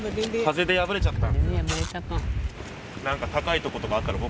風で破れちゃった。